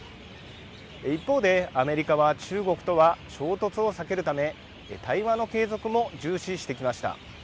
一方でアメリカは中国とは衝突を避けるため対話の継続も重視してきました。